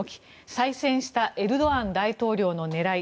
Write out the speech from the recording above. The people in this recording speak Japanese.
再選したエルドアン大統領の狙い。